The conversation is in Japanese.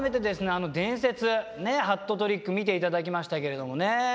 あの伝説ハットトリック見て頂きましたけれどもね。